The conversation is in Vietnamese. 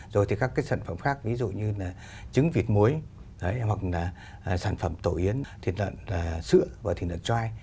rồi thì các cái sản phẩm khác ví dụ như là trứng vịt muối hoặc là sản phẩm tổ yến thịt lợn sữa và thịt lợn choi